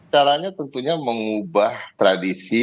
caranya tentunya mengubah tradisi